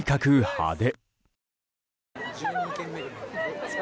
派手。